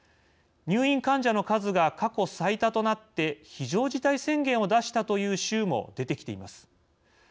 入院患者の数が過去最多となって非常事態宣言を出したという州も出てきています。